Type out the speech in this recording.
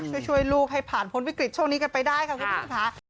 ช่วยลูกให้ผ่านพ้นวิกฤตช่วงนี้กันไปได้ค่ะคุณผู้ชมค่ะ